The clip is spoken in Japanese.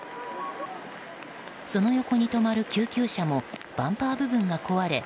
その横に止まる救急車もバンパー部分が壊れ